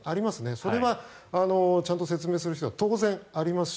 それは説明する必要が当然、ありますし